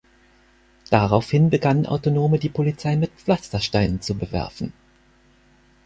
Daraufhin begannen Autonome, die Polizei mit Pflastersteinen zu bewerfen.